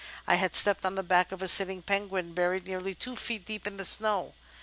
I had stepped on the back of a sitting penguin — buried nearly two feet deep in the snow.